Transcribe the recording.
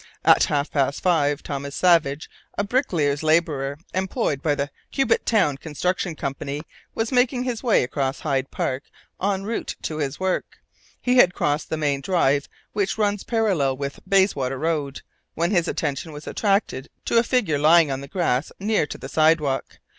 "At half past five, Thomas Savage, a bricklayer's labourer employed by the Cubitt Town Construction Company, was making his way across Hyde Park en route to his work. He had crossed the main drive which runs parallel with the Bayswater Road, when his attention was attracted to a figure lying on the grass near to the sidewalk.